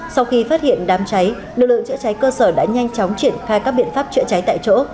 sau khi phát hiện đám cháy lực lượng chữa cháy cơ sở đã nhanh chóng triển khai các biện pháp chữa cháy tại chỗ